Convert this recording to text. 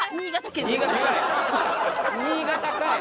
新潟かい！